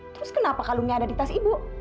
terus kenapa kalungnya ada di tas ibu